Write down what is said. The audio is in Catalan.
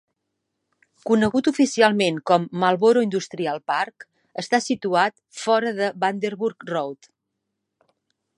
Conegut oficialment com Marlboro Industrial Park, està situat fora de Vanderburg Road.